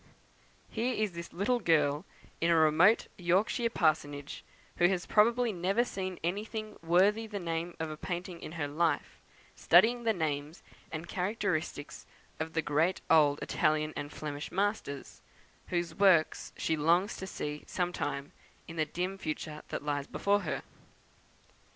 Here is this little girl, in a remote Yorkshire parsonage, who has probably never seen anything worthy the name of a painting in her life, studying the names and characteristics of the great old Italian and Flemish masters, whose works she longs to see some time, in the dim future that lies before her!